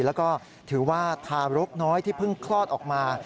แล้วก็ถือว่าทารกน้อยที่เพิ่งคลอดออกมา